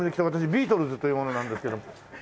ビートルズという者なんですけど。